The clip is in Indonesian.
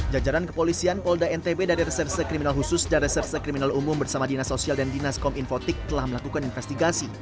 jajaran kepolisian polda ntb dari reserse kriminal khusus dan reserse kriminal umum bersama dinas sosial dan dinas kom infotik telah melakukan investigasi